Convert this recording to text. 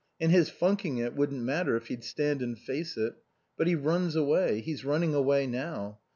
And his funking it wouldn't matter if he'd stand and face it. But he runs away. He's running away now.